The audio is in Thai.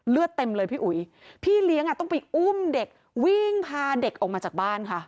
เต็มเลยพี่อุ๋ยพี่เลี้ยงอ่ะต้องไปอุ้มเด็กวิ่งพาเด็กออกมาจากบ้านค่ะ